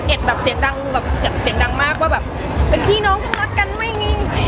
เอ็ดเสียงดังมากว่าเป็นพี่น้องต้องรักกันไหม